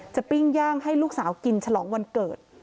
ปิ้งย่างให้ลูกสาวกินฉลองวันเกิด